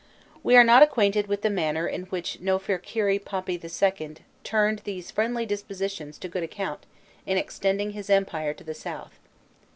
We are not acquainted with the manner in which Nofirkiri Papi II. turned these friendly dispositions to good account in extending his empire to the south.